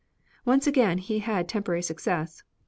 Once again he had temporary success.